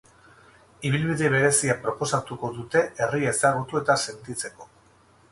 Ibilbide berezia proposatuko dute herria ezagutu eta sentitzeko.